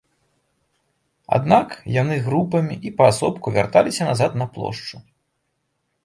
Аднак яны групамі і паасобку вярталіся назад на плошчу.